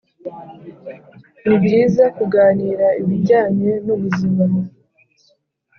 ni byiza kuganira ibijyanye n’ubuzima